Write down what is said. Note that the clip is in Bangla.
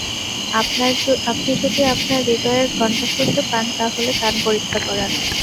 আপনি যদি আপনার হূদয়ের ঘণ্টা শুনতে পান, তাহলে কান পরীক্ষা করান।